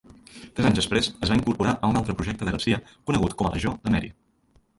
Tres anys després es va incorporar a un altre projecte de Garcia conegut com a Legió de Mary.